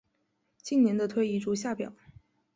近年的推移如下表。